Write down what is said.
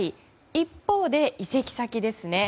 一方で移籍先ですね